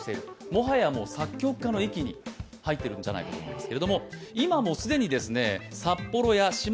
もはや作曲家の域に入っているんじゃないかと思います。